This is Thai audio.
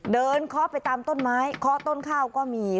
เคาะไปตามต้นไม้เคาะต้นข้าวก็มี